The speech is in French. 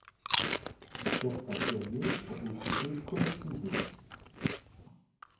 Certains terriers sont occupés collectivement.